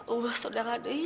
oh saudara dei